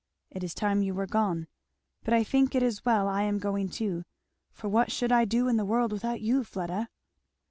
It is time you were gone. But I think it is well I am going too, for what should I do in the world without you, Fleda?"